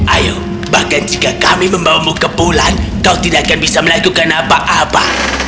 ayo bahkan jika kami membawamu ke bulan kau tidak akan bisa melakukan apa apa